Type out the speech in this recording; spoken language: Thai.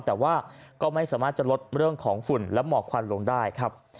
แต่ว่าก็ไม่สามารถจะลดเรื่องของฝุ่นและหมอกควันลงได้ครับ